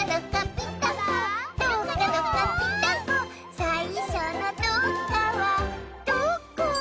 「さいしょのどっかはどこ？」